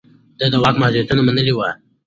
ده د واک محدوديت منلی و.